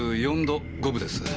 ３４度５分です。